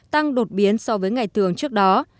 tăng đột biến so với ngày thường trước đó